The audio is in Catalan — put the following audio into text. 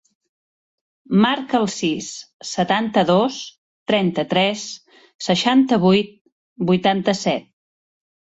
Marca el sis, setanta-dos, trenta-tres, seixanta-vuit, vuitanta-set.